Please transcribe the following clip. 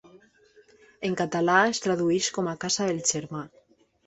En català, es tradueix com "casa del germà".